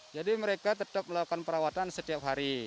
mereka tetap melakukan perawatan setiap hari